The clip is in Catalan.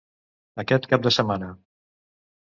Aquest cap de setmana